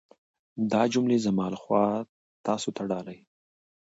دا جملې زما لخوا تاسو ته ډالۍ.